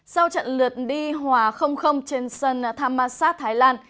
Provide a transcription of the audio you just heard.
sau trận lượt đi hòa trên sân thammasat thái lan